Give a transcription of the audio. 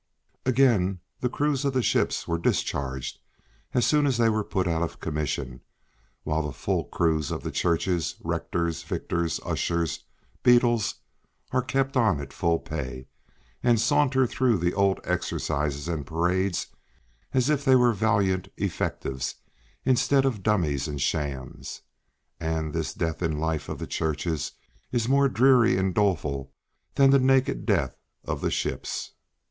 Again, the crews of the ships were discharged as soon as these were put out of commission, while the full crews of the churches, rectors, vicars, ushers, beadles, are kept on at full pay, and saunter through the old exercises and parades as if they were valiant effectives instead of dummies and shams. And this death in life of the churches is more dreary and doleful than the naked death of the ships.